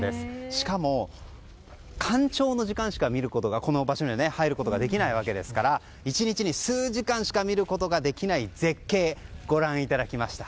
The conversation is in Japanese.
しかも干潮の時間しか見ることがこの場所には入ることができないわけですから１日に数時間しか見ることができない絶景をご覧いただきました。